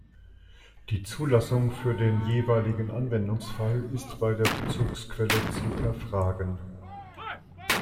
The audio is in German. Die Zulassung für den jeweiligen Anwendungsfall ist bei der Bezugsquelle zu erfragen.